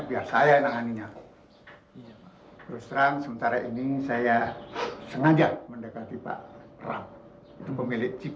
biar saya tanganinya terus terang sementara ini saya sengaja mendekati pak ram itu pemilik